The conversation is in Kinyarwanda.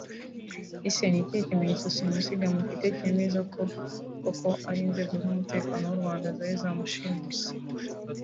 Ese ni ikihe kimenyetso simusiga mufite cyemeza ko koko ari inzego z’umutekano w’u Rwanda zari zagushimuse